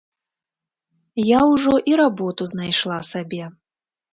Я ўжо і работу знайшла сабе.